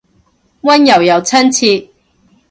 溫柔又親切